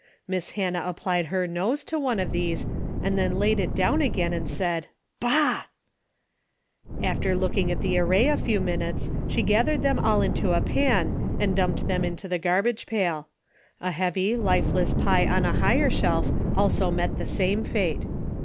Miss Hannah applied her nose to one of these and then laid it down again and said, " Bah !" After looking at the array a few minutes, she gathered them all into a pan and dumped them into the garbage pail. A heavy, lifeless pie on a higher shelf also met the same fate.